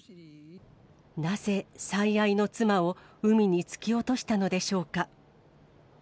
なぜ最愛の妻を海に突き落としたのでしょうか。